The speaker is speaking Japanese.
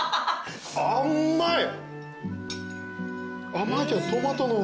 甘い。